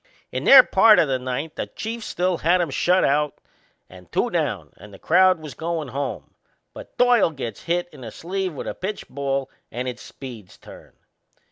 In their part o' the ninth the Chief still had 'em shut out and two down, and the crowd was goin' home; but Doyle gets hit in the sleeve with a pitched ball and it's Speed's turn.